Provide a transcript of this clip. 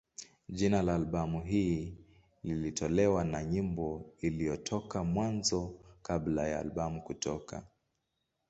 Jina la albamu hii lilitokana na nyimbo iliyotoka Mwanzo kabla ya albamu kutoka.